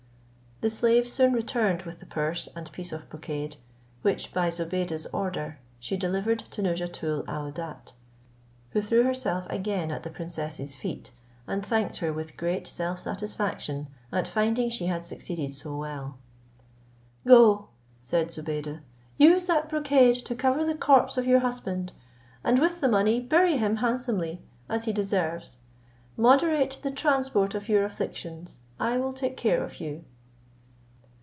The slave soon returned with the purse and piece of brocade, which, by Zobeide's order, she delivered to Nouzhatoul aouadat, who threw herself again at the princess's feet, and thanked her with great self satisfaction at finding she had succeeded so well. "Go," said Zobeide, "use that brocade to cover the corpse of your husband, and with the money bury him handsomely, as he deserves. Moderate the transport of your afflictions: I will take care of you."